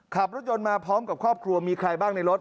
ขับรถยนต์มาพร้อมกับครอบครัวมีใครบ้างในรถ